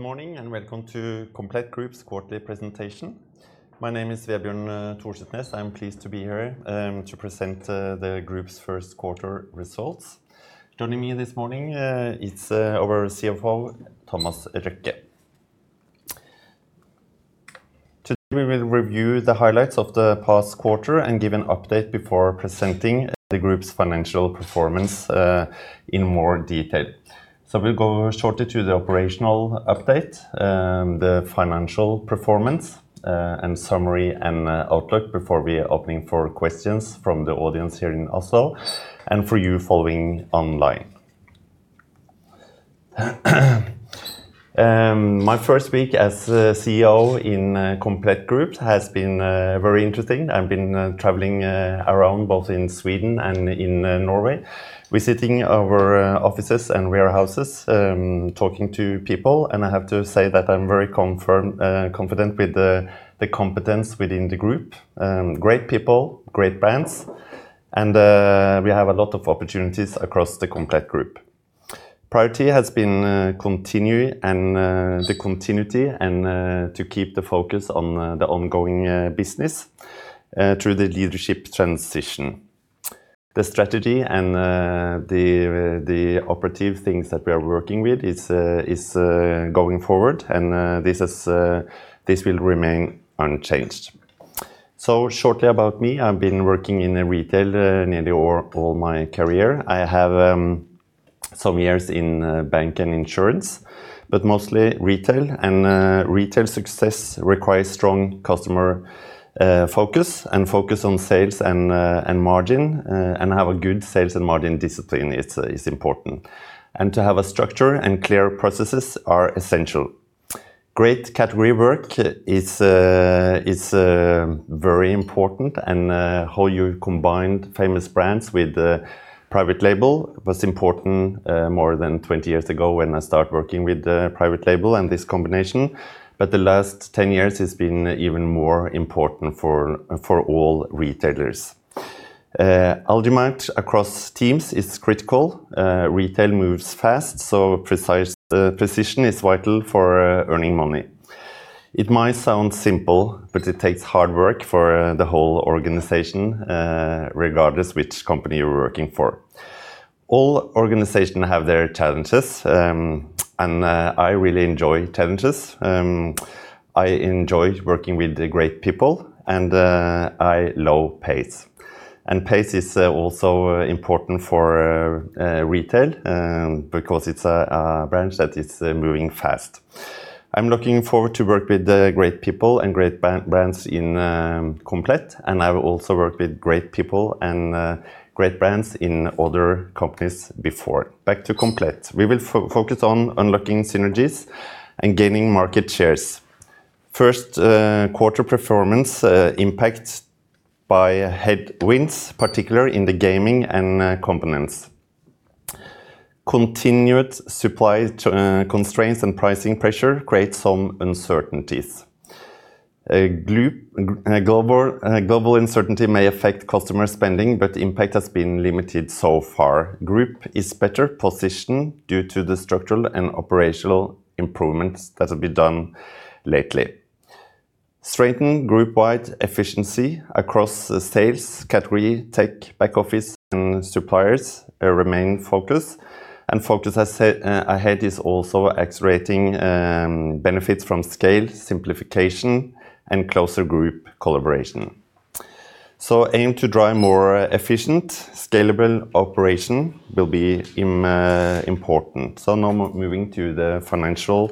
Good morning, welcome to Komplett Group's Quarterly Presentation. My name is Vebjørn Torsetnes. I'm pleased to be here, to present the group's first quarter results. Joining me this morning is our CFO, Thomas Røkke. Today we will review the highlights of the past quarter and give an update before presenting the group's financial performance in more detail. We'll go shortly through the operational update, the financial performance, and summary and outlook before we opening for questions from the audience here in Oslo and for you following online. My first week as CEO in Komplett Group has been very interesting. I've been traveling around both in Sweden and in Norway, visiting our offices and warehouses, talking to people, and I have to say that I'm very confident with the competence within the Komplett Group. Great people, great brands, we have a lot of opportunities across the Komplett Group. Priority has been the continuity and to keep the focus on the ongoing business through the leadership transition. The strategy and the operative things that we are working with is going forward, this will remain unchanged. Shortly about me, I've been working in retail nearly all my career. I have some years in bank and insurance, but mostly retail and retail success requires strong customer focus and focus on sales and margin, and have a good sales and margin discipline is important. To have a structure and clear processes are essential. Great category work is very important and how you combine famous brands with private label was important more than 20 years ago when I start working with the private label and this combination. The last 10 years has been even more important for all retailers. Alignment across teams is critical. Retail moves fast, so precise precision is vital for earning money. It might sound simple, but it takes hard work for the whole organization, regardless which company you're working for. All organization have their challenges, I really enjoy challenges. I enjoy working with great people, I love pace. Pace is also important for retail because it's a branch that is moving fast. I'm looking forward to work with the great people and great brands in Komplett, and I've also worked with great people and great brands in other companies before. Back to Komplett. We will focus on unlocking synergies and gaining market shares. First quarter performance impacted by headwinds, particularly in the gaming and components. Continued supply constraints and pricing pressure create some uncertainties. Global uncertainty may affect customer spending, but impact has been limited so far. Group is better positioned due to the structural and operational improvements that have been done lately. Strengthen group-wide efficiency across sales, category, tech, back office, and suppliers, remain focus. Focus ahead is also accelerating benefits from scale, simplification, and closer group collaboration. Aim to drive more efficient, scalable operation will be important. Now moving to the financial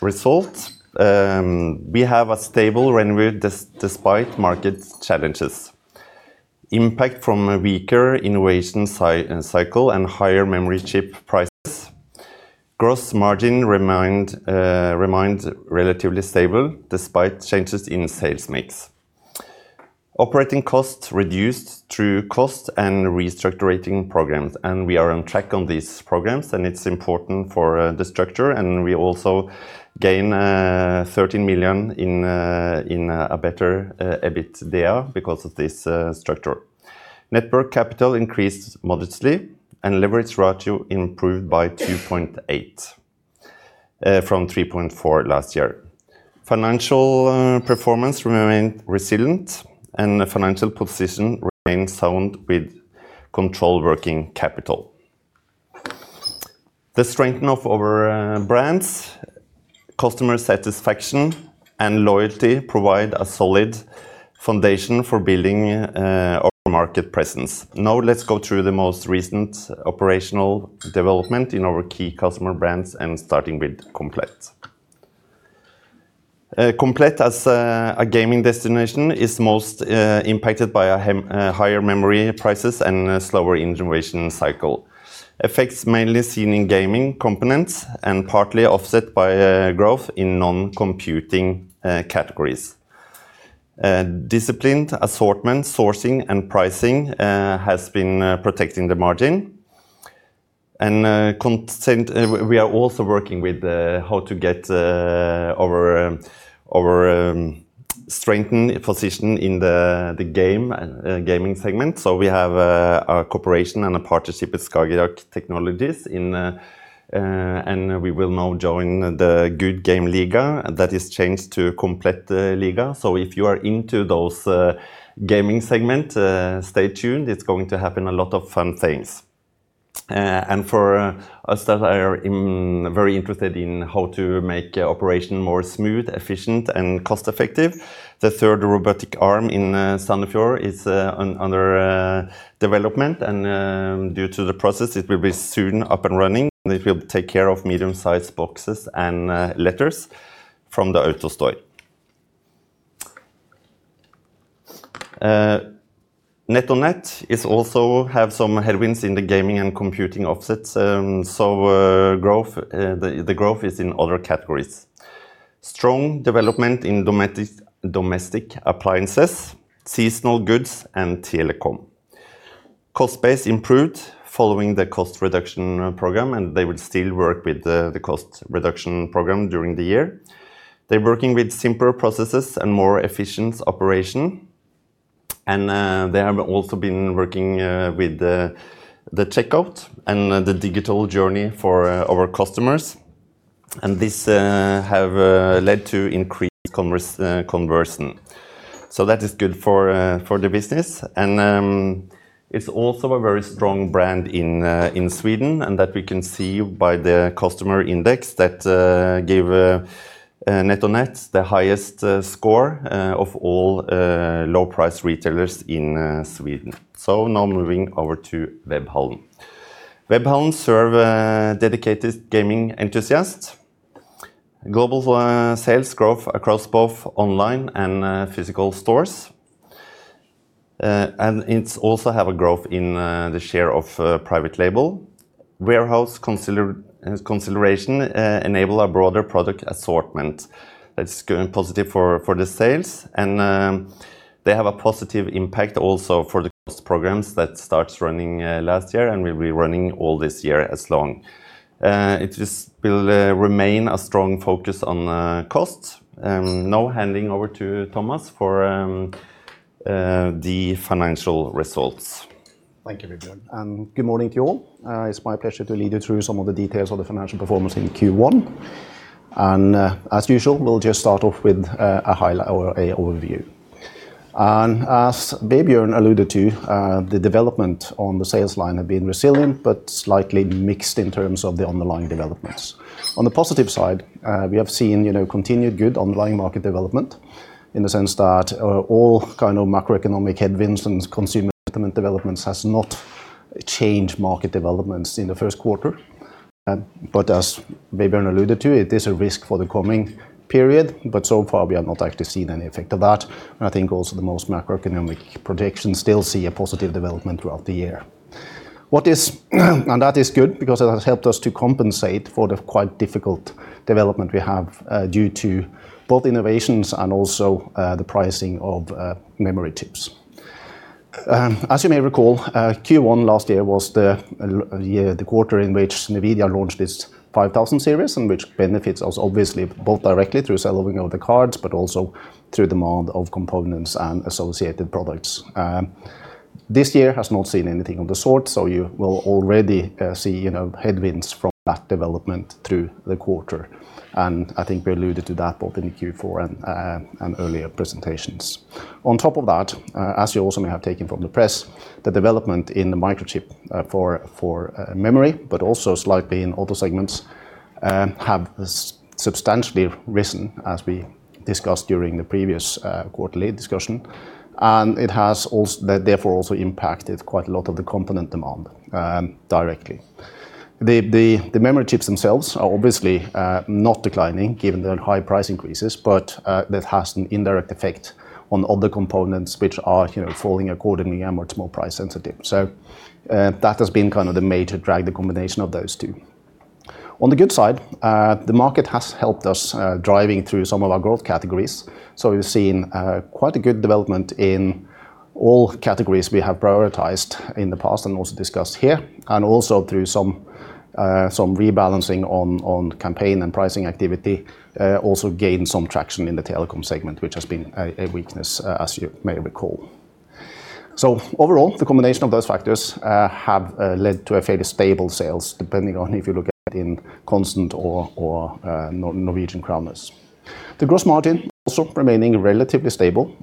results. We have a stable revenue despite market challenges. Impact from a weaker innovation cycle and higher memory chip prices. Gross margin remained relatively stable despite changes in sales mix. Operating costs reduced through cost and restructuring programs, and we are on track on these programs, and it's important for the structure, and we also gain 13 million in a better EBITDA because of this structure. Net working capital increased modestly, and leverage ratio improved by 2.8 from 3.4 last year. Financial performance remained resilient, and the financial position remains sound with controlled working capital. The strength of our brands, customer satisfaction, and loyalty provide a solid foundation for building our market presence. Now let's go through the most recent operational development in our key customer brands and starting with Komplett. Komplett as a gaming destination is most impacted by higher memory prices and a slower innovation cycle. Effects mainly seen in gaming components and partly offset by growth in non-computing categories. Disciplined assortment, sourcing, and pricing has been protecting the margin. Consequently, we are also working with how to get our, strengthen position in the gaming segment. We have a cooperation and a partnership with Skagerrak Technologies and we will now join the Good Game-ligaen that is changed to Komplett-ligaen. If you are into those gaming segment, stay tuned. It's going to happen a lot of fun things. For us that are very interested in how to make operation more smooth, efficient, and cost-effective, the third robotic arm in Sandefjord is under development. Due to the process, it will be soon up and running, and it will take care of medium-sized boxes and letters from the AutoStore. NetOnNet is also have some headwinds in the gaming and computing offsets. Growth is in other categories. Strong development in domestic appliances, seasonal goods, and telecom. Cost base improved following the cost reduction program. They will still work with the cost reduction program during the year. They're working with simpler processes and more efficient operation. They have also been working with the checkout and the digital journey for our customers. This have led to increased conversion. That is good for the business. It's also a very strong brand in Sweden. That we can see by the customer index that gave NetOnNet the highest score of all low-price retailers in Sweden. Now moving over to Webhallen. Webhallen serve dedicated gaming enthusiasts. Global sales growth across both online and physical stores. It's also have a growth in the share of private label. Warehouse consideration, enable a broader product assortment that's going positive for the sales. They have a positive impact also for the cost programs that starts running last year and will be running all this year as long. It just will remain a strong focus on cost. Now handing over to Thomas for the financial results. Thank you, Vebjørn, and good morning to you all. It's my pleasure to lead you through some of the details of the financial performance in Q1. As usual, we'll just start off with an overview. As Vebjørn alluded to, the development on the sales line have been resilient but slightly mixed in terms of the underlying developments. On the positive side, we have seen, you know, continued good underlying market development in the sense that all kind of macroeconomic headwinds and consumer sentiment developments has not changed market developments in the first quarter. But as Vebjørn alluded to, it is a risk for the coming period, but so far we have not actually seen any effect of that. I think also the most macroeconomic projections still see a positive development throughout the year. That is good because it has helped us to compensate for the quite difficult development we have due to both innovations and also the pricing of memory chips. As you may recall, Q1 last year was the quarter in which NVIDIA launched its 5000 series and which benefits us obviously both directly through selling of the cards, but also through demand of components and associated products. This year has not seen anything of the sort, you will already see, you know, headwinds from that development through the quarter. I think we alluded to that both in Q4 and earlier presentations. On top of that, as you also may have taken from the press, the development in the microchip, for, memory, but also slightly in other segments, have substantially risen, as we discussed during the previous quarterly discussion. It has therefore also impacted quite a lot of the component demand directly. The memory chips themselves are obviously not declining given their high price increases, but that has an indirect effect on other components which are, you know, falling accordingly and much more price sensitive. That has been kind of the major driver, the combination of those two. On the good side, the market has helped us driving through some of our growth categories. We've seen quite a good development in all categories we have prioritized in the past and also discussed here, and also through some rebalancing on campaign and pricing activity, also gained some traction in the telecom segment, which has been a weakness, as you may recall. Overall, the combination of those factors have led to a fairly stable sales, depending on if you look at in constant or Norwegian kroner. The gross margin also remaining relatively stable,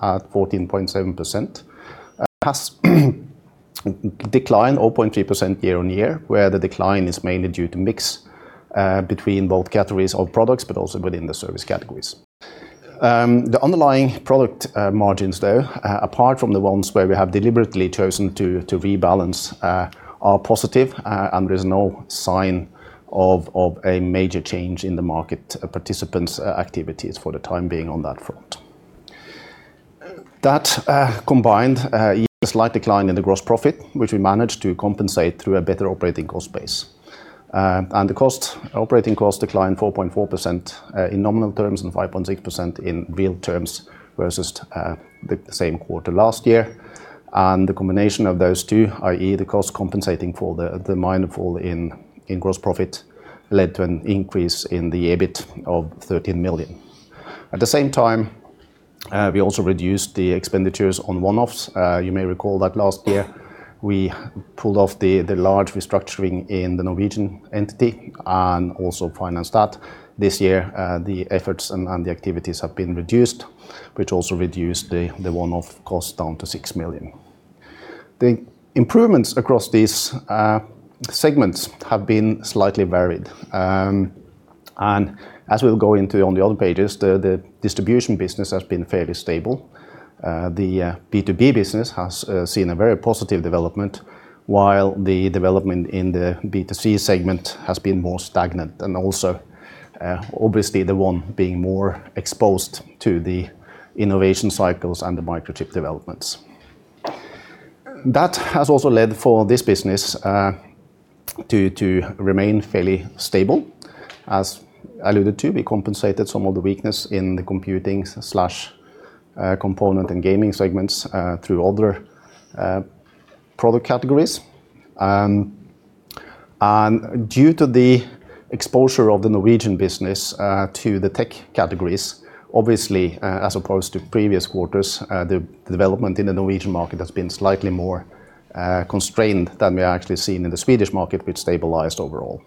at 14.7%, has declined 0.3% year-on-year, where the decline is mainly due to mix between both categories of products but also within the service categories. The underlying product margins though, apart from the ones where we have deliberately chosen to rebalance, are positive, and there's no sign of a major change in the market participants' activities for the time being on that front. That combined a slight decline in the gross profit, which we managed to compensate through a better operating cost base. The operating cost declined 4.4% in nominal terms and 5.6% in real terms versus the same quarter last year. The combination of those two, i.e. the cost compensating for the minor fall in gross profit, led to an increase in the EBIT of 13 million. At the same time, we also reduced the expenditures on one-offs. You may recall that last year we pulled off the large restructuring in the Norwegian entity and also financed that. This year, the efforts and the activities have been reduced, which also reduced the one-off cost down to 6 million. The improvements across these segments have been slightly varied. As we'll go into on the other pages, the distribution business has been fairly stable. The B2B business has seen a very positive development while the development in the B2C segment has been more stagnant and also obviously the one being more exposed to the innovation cycles and the microchip developments. That has also led for this business to remain fairly stable. As alluded to, we compensated some of the weakness in the computing/component and gaming segments through other product categories. Due to the exposure of the Norwegian business to the tech categories, obviously, as opposed to previous quarters, the development in the Norwegian market has been slightly more constrained than we are actually seeing in the Swedish market, which stabilized overall.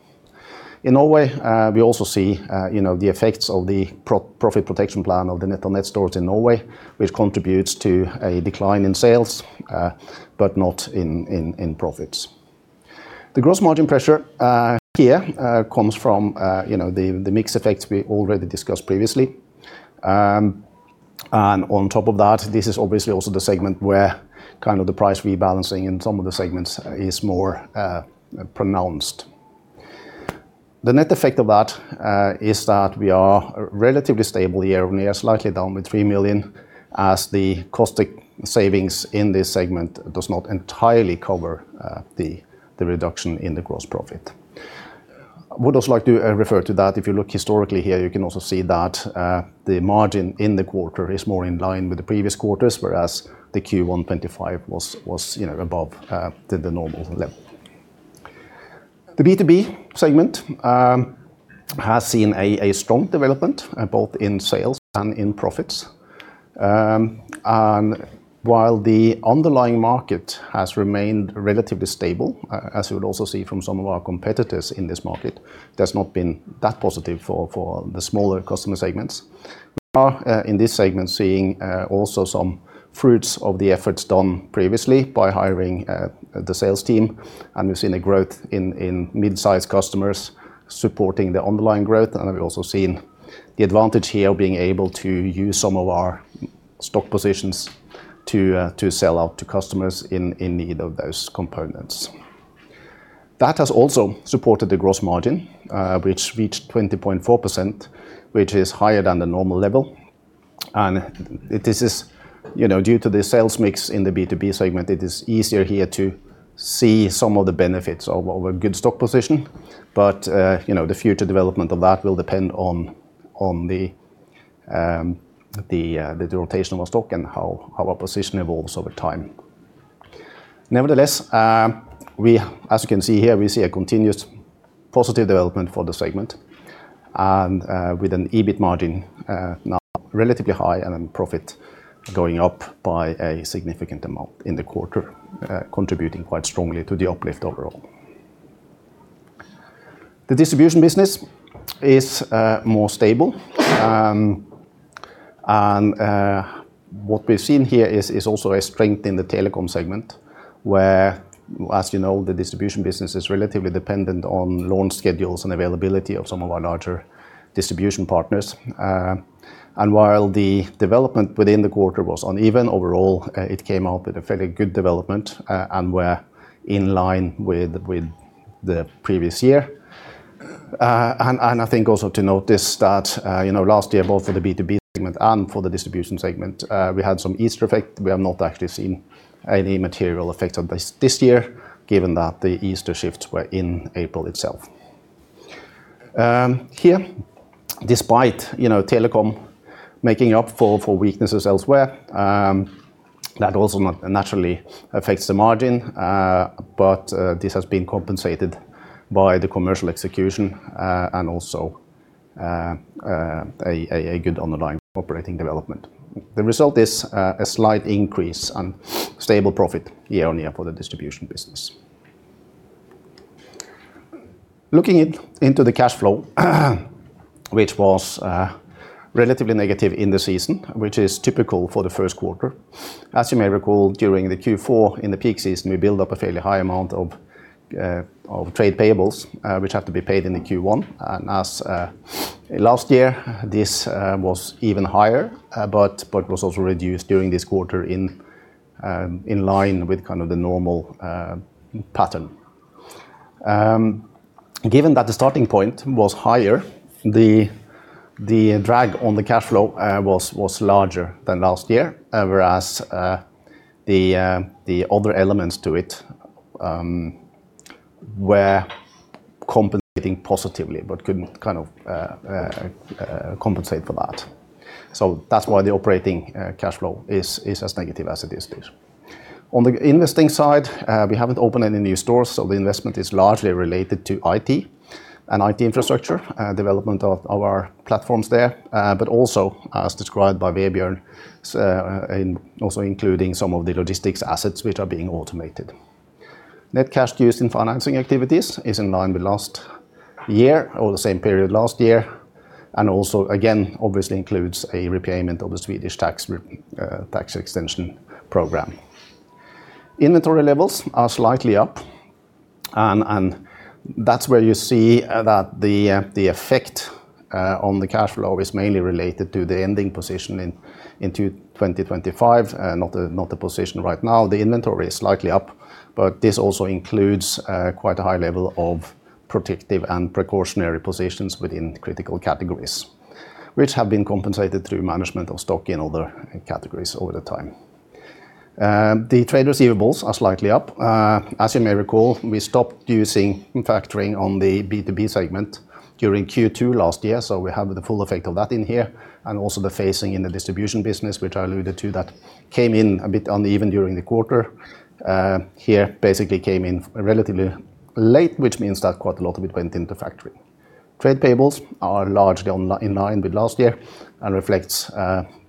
In Norway, we also see, you know, the effects of the pro-profit protection plan of the NetOnNet stores in Norway, which contributes to a decline in sales, but not in profits. The gross margin pressure here comes from, you know, the mix effects we already discussed previously. On top of that, this is obviously also the segment where kind of the price rebalancing in some of the segments is more pronounced. The net effect of that is that we are relatively stable year-on-year, slightly down with 3 million as the cost savings in this segment does not entirely cover the reduction in the gross profit. Would also like to refer to that. If you look historically here, you can also see that the margin in the quarter is more in line with the previous quarters, whereas the Q1 2025 was, you know, above the normal level. The B2B segment has seen a strong development both in sales and in profits. While the underlying market has remained relatively stable, as you would also see from some of our competitors in this market, that's not been that positive for the smaller customer segments. We are in this segment seeing also some fruits of the efforts done previously by hiring the sales team, and we've seen a growth in mid-sized customers supporting the underlying growth. We've also seen the advantage here of being able to use some of our stock positions to sell out to customers in need of those components. That has also supported the gross margin, which reached 20.4%, which is higher than the normal level. This is, you know, due to the sales mix in the B2B segment. It is easier here to see some of the benefits of a good stock position. You know, the future development of that will depend on the rotation of stock and how our position evolves over time. Nevertheless, as you can see here, we see a continuous positive development for the segment and, with an EBIT margin, now relatively high and profit going up by a significant amount in the quarter, contributing quite strongly to the uplift overall. The distribution business is more stable. What we've seen here is also a strength in the telecom segment, where, as you know, the distribution business is relatively dependent on launch schedules and availability of some of our larger distribution partners. While the development within the quarter was uneven overall, it came out with a fairly good development, and we're in line with the previous year. I think also to notice that, you know, last year, both for the B2B segment and for the distribution segment, we had some Easter effect. We have not actually seen any material effect of this this year, given that the Easter shifts were in April itself. Here, despite, you know, telecom making up for weaknesses elsewhere, that also naturally affects the margin, this has been compensated by the commercial execution, and also a good underlying operating development. The result is a slight increase and stable profit year-on-year for the distribution business. Looking into the cash flow, which was relatively negative in the season, which is typical for the first quarter. As you may recall, during the Q4 in the peak season, we build up a fairly high amount of trade payables, which have to be paid in the Q1. As last year, this was even higher, but was also reduced during this quarter in line with kind of the normal pattern. Given that the starting point was higher, the drag on the cash flow was larger than last year, whereas the other elements to it were compensating positively but couldn't kind of compensate for that. That's why the operating cash flow is as negative as it is. On the investing side, we haven't opened any new stores, the investment is largely related to IT and IT infrastructure, development of our platforms there, but also as described by Vebjørn, in also including some of the logistics assets which are being automated. Net cash used in financing activities is in line with last year or the same period last year, and also again obviously includes a repayment of the Swedish tax extension program. Inventory levels are slightly up, that's where you see that the effect on the cash flow is mainly related to the ending position in 2025, not the position right now. The inventory is slightly up, but this also includes quite a high level of protective and precautionary positions within critical categories, which have been compensated through management of stock in other categories over the time. The trade receivables are slightly up. As you may recall, we stopped using factoring on the B2B segment during Q2 last year, so we have the full effect of that in here, and also the phasing in the distribution business which I alluded to that came in a bit uneven during the quarter. Here basically came in relatively late, which means that quite a lot of it went into factoring. Trade payables are largely in line with last year and reflects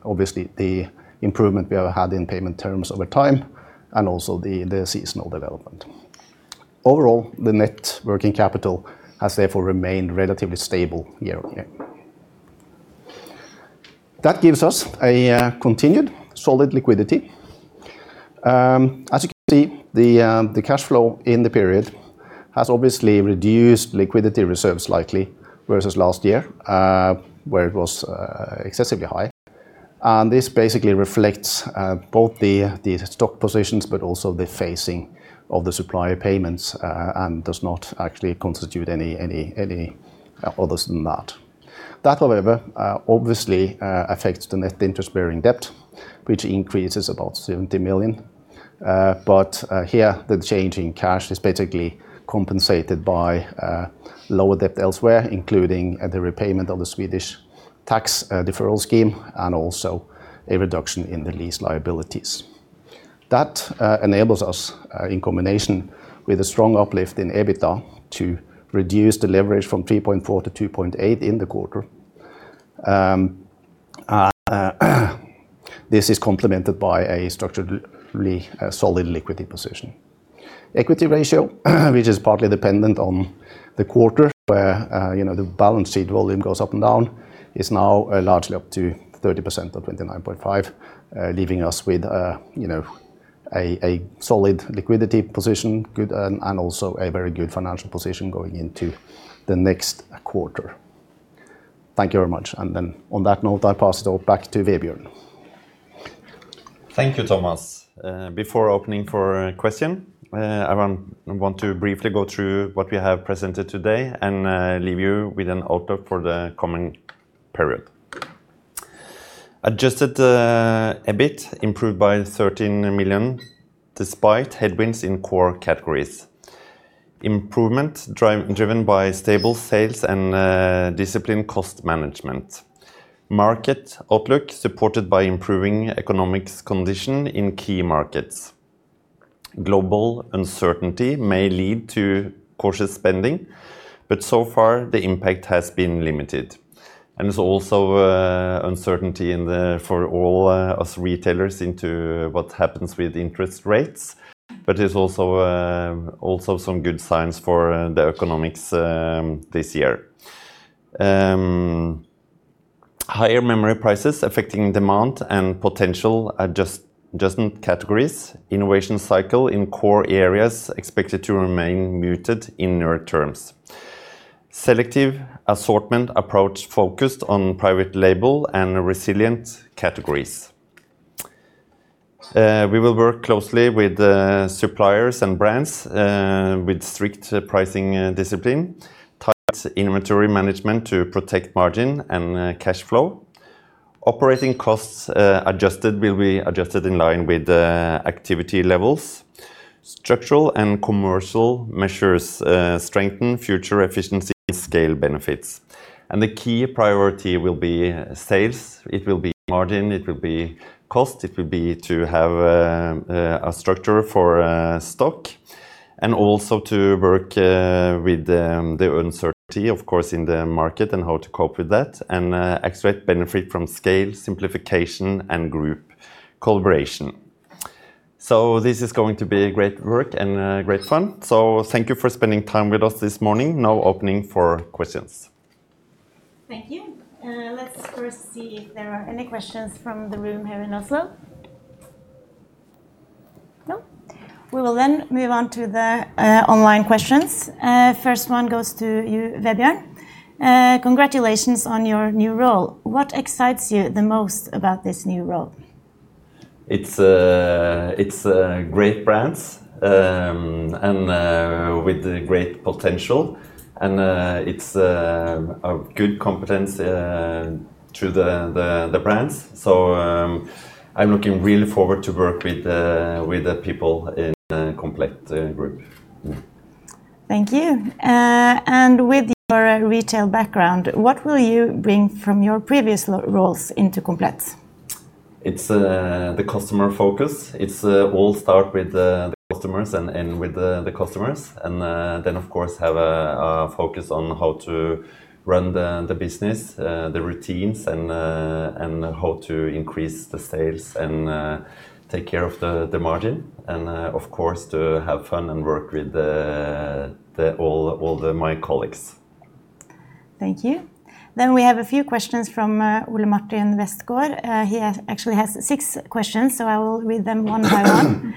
obviously the improvement we have had in payment terms over time and also the seasonal development. Overall, the net working capital has therefore remained relatively stable year on year. That gives us a continued solid liquidity. As you can see, the cash flow in the period has obviously reduced liquidity reserve slightly versus last year, where it was excessively high. This basically reflects both the stock positions but also the phasing of the supplier payments and does not actually constitute any other than that. That, however, obviously affects the net interest-bearing debt, which increases about 70 million. Here the change in cash is basically compensated by lower debt elsewhere, including the repayment of the Swedish tax deferral scheme and also a reduction in the lease liabilities. That enables us, in combination with a strong uplift in EBITDA to reduce the leverage from 3.4 to 2.8 in the quarter. This is complemented by a structurally solid liquidity position. Equity ratio, which is partly dependent on the quarter where, you know, the balance sheet volume goes up and down, is now largely up to 30% or 29.5%, leaving us with, you know, a solid liquidity position and also a very good financial position going into the next quarter. Thank you very much. Then on that note, I pass it all back to Vebjørn. Thank you, Thomas. Before opening for a question, I want to briefly go through what we have presented today and leave you with an outlook for the coming period. Adjusted EBIT improved by 13 million despite headwinds in core categories. Improvement driven by stable sales and disciplined cost management. Market outlook supported by improving economic conditions in key markets. Global uncertainty may lead to cautious spending, but so far the impact has been limited. There's also uncertainty for all us retailers into what happens with interest rates, but there's also some good signs for the economy this year. Higher memory prices affecting demand and potential adjustment categories. Innovation cycle in core areas expected to remain muted in the near term. Selective assortment approach focused on private label and resilient categories. We will work closely with the suppliers and brands, with strict pricing discipline, tight inventory management to protect margin and cash flow. Operating costs, adjusted will be adjusted in line with the activity levels. Structural and commercial measures strengthen future efficiency scale benefits. The key priority will be sales, it will be margin, it will be cost, it will be to have a structure for stock, and also to work with the uncertainty of course in the market and how to cope with that, and extract benefit from scale, simplification, and group collaboration. This is going to be great work and great fun. Thank you for spending time with us this morning. Now opening for questions. Thank you. Let's first see if there are any questions from the room here in Oslo. No? We will then move on to the online questions. First one goes to you, Vebjørn. Congratulations on your new role. What excites you the most about this new role? It's, it's great brands, and with great potential, and it's a good competence through the brands. I'm looking really forward to work with the people in the Komplett Group. Thank you. With your retail background, what will you bring from your previous roles into Komplett? It's the customer focus. It's all start with the customers and with the customers. Of course have a focus on how to run the business, the routines and how to increase the sales and take care of the margin. Of course, to have fun and work with all my colleagues. Thank you. Then we have a few questions from Ole Martin Westgaard. He actually has six questions, so I will read them one by one.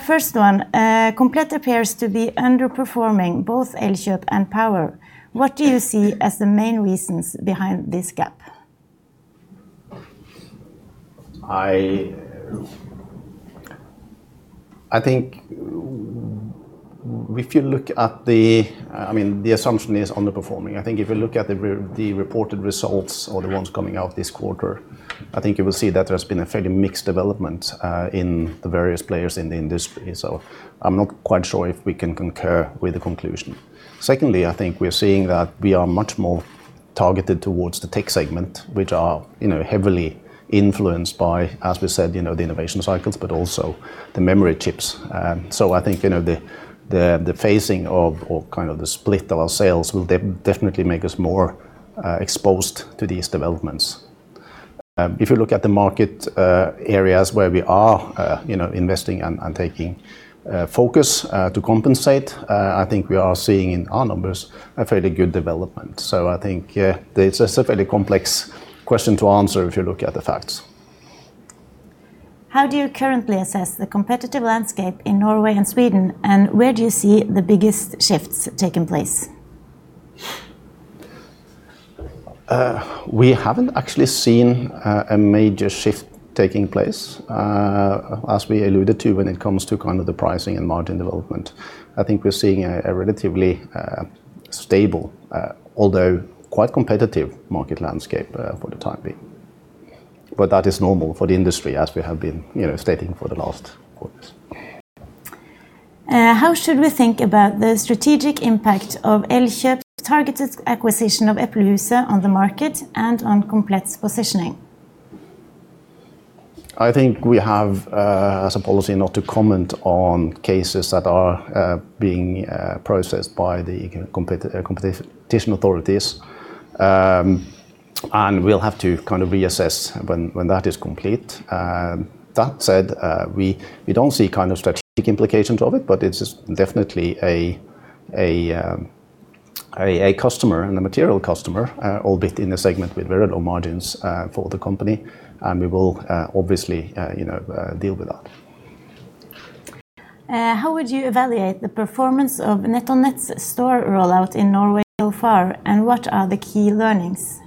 First one, Komplett appears to be underperforming both Elkjøp and Power. What do you see as the main reasons behind this gap? I mean, the assumption is underperforming. I think if you look at the reported results or the ones coming out this quarter, I think you will see that there's been a fairly mixed development in the various players in the industry. I'm not quite sure if we can concur with the conclusion. Secondly, I think we're seeing that we are much more targeted towards the tech segment, which are, you know, heavily influenced by, as we said, you know, the innovation cycles, but also the memory chips. I think, you know, the phasing of, or kind of the split of our sales will definitely make us more exposed to these developments. If you look at the market areas where we are, you know, investing and taking focus to compensate, I think we are seeing in our numbers a fairly good development. I think it's a fairly complex question to answer if you look at the facts. How do you currently assess the competitive landscape in Norway and Sweden, and where do you see the biggest shifts taking place? We haven't actually seen a major shift taking place. As we alluded to when it comes to kind of the pricing and margin development, I think we're seeing a relatively stable although quite competitive market landscape for the time being. That is normal for the industry as we have been, you know, stating for the last quarters. How should we think about the strategic impact of Elkjøp's targeted acquisition of Epoq on the market and on Komplett's positioning? I think we have as a policy not to comment on cases that are being processed by the competition authorities. We'll have to kind of reassess when that is complete. That said, we don't see kind of strategic implications of it, but it's definitely a customer and a material customer, albeit in a segment with very low margins for the company, and we will, obviously, you know, deal with that. How would you evaluate the performance of Netonnet's store rollout in Norway so far, and what are the key learnings?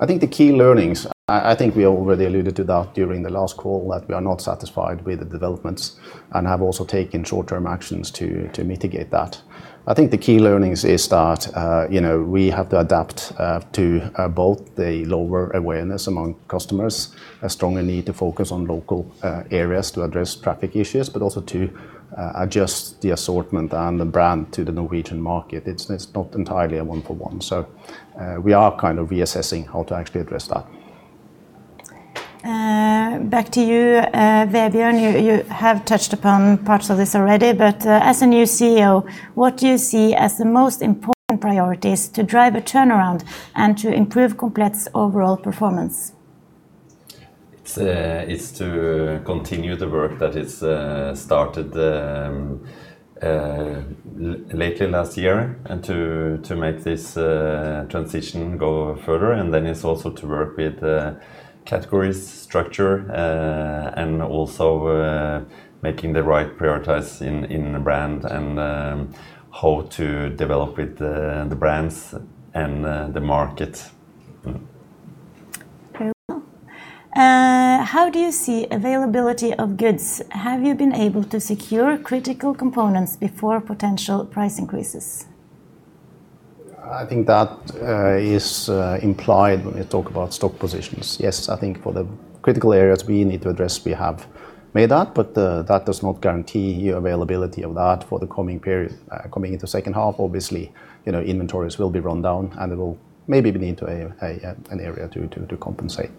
I think the key learnings, I think we already alluded to that during the last call that we are not satisfied with the developments and have also taken short-term actions to mitigate that. I think the key learnings is that, you know, we have to adapt to both the lower awareness among customers, a stronger need to focus on local areas to address traffic issues, but also to adjust the assortment and the brand to the Norwegian market. It's not entirely a one for one. We are kind of reassessing how to actually address that. Back to you, Vebjørn. You have touched upon parts of this already, but, as a new CEO, what do you see as the most important priorities to drive a turnaround and to improve Komplett's overall performance? It's, it's to continue the work that is started later last year and to make this transition go further. It's also to work with categories structure and also making the right priorities in brand and how to develop with the brands and the market. Very well. How do you see availability of goods? Have you been able to secure critical components before potential price increases? I think that is implied when we talk about stock positions. Yes, I think for the critical areas we need to address, we have made that, but that does not guarantee availability of that for the coming period. Coming into second half, obviously, you know, inventories will be run down, and there will maybe be need to an area to compensate.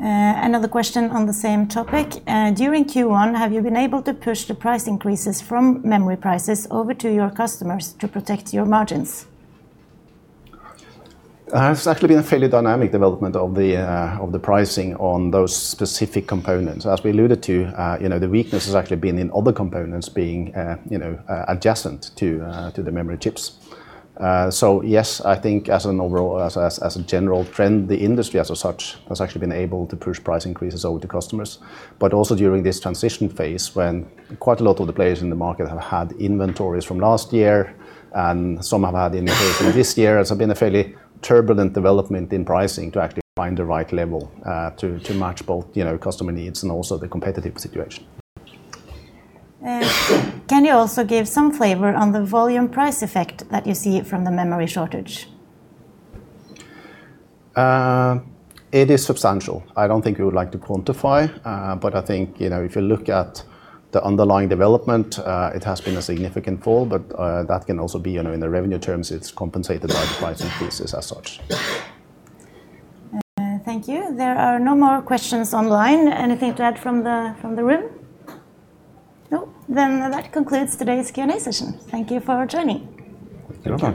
Another question on the same topic. During Q1, have you been able to push the price increases from memory prices over to your customers to protect your margins? It's actually been a fairly dynamic development of the pricing on those specific components. As we alluded to, you know, the weakness has actually been in other components being, you know, adjacent to the memory chips. Yes, I think as an overall, as a general trend, the industry as of such has actually been able to push price increases over to customers. Also during this transition phase, when quite a lot of the players in the market have had inventories from last year and some have had inventory from this year, it has been a fairly turbulent development in pricing to actually find the right level to match both, you know, customer needs and also the competitive situation. Can you also give some flavor on the volume price effect that you see from the memory shortage? It is substantial. I don't think we would like to quantify, but I think, you know, if you look at the underlying development, it has been a significant fall, but that can also be, you know, in the revenue terms, it's compensated by the price increases as such. Thank you. There are no more questions online. Anything to add from the room? No. That concludes today's Q&A session. Thank you for joining. Thank you. You're welcome.